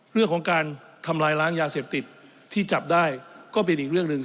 เรื่องของการทำลายล้างยาเสพติดที่จับได้ก็เป็นอีกเรื่องหนึ่ง